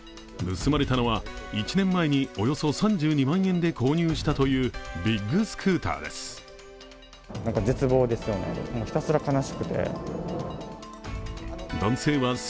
盗まれたのは、１年前におよそ３２万円で購入したというビッグスクーターです。